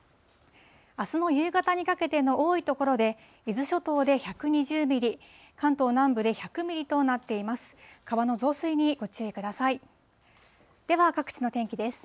あすの夕方にかけての多い所で、伊豆諸島で１２０ミリ、関東南部で１００ミリとなっています。